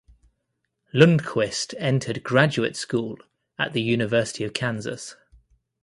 Lundquist entered graduate school at the University of Kansas.